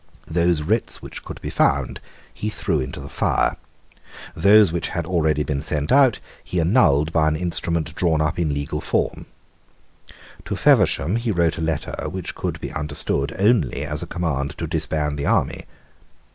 The writs which could be found he threw into the fire. Those which had been already sent out he annulled by an instrument drawn up in legal form. To Feversham he wrote a letter which could be understood only as a command to disband the army.